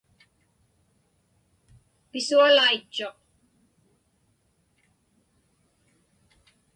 Pisualaitchuq.